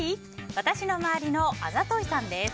私の周りのあざといさんです。